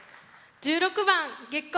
１６番「月光」。